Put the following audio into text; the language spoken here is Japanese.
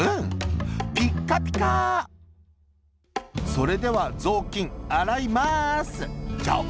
「それではぞうきんあらいまーすじゃぶ